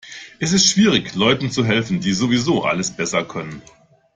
Es ist schwierig, Leuten zu helfen, die sowieso alles besser können.